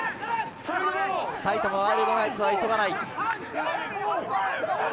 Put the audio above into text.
埼玉ワイルドナイツは急がない。